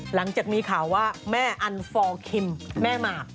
หลังจากมีข่าวว่าแม่อันฟอร์คิมแม่หมาก